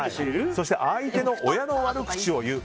そして、相手の親の悪口を言う。